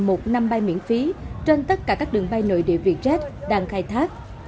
một năm bay miễn phí trên tất cả các đường bay nội địa vietjet đang khai thác